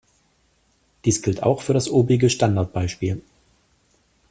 Dies gilt auch für das obige Standardbeispiel.